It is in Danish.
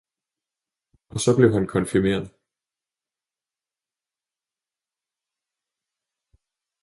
Og så blev han konfirmeret!